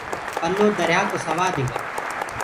پَلو دريآ ڪو سوآد هيگآ